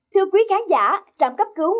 thưa quý khán giả trạm cấp cứu một trăm một mươi năm